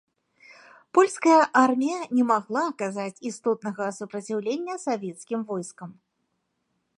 Польская армія не магла аказаць істотнага супраціўлення савецкім войскам.